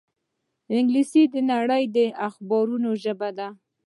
انګلیسي د نړۍ د اخبارونو ژبه ده